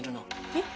えっ？